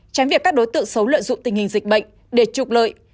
tránh việc các đối tượng xấu lợi dụng tình hình dịch bệnh để trục lợi